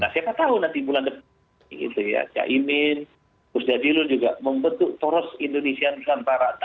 siapa tahu nanti bulan depan cahimin buzdajilul juga membetulkan foros indonesia di antara rata